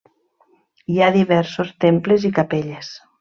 Hi ha diversos temples i capelles.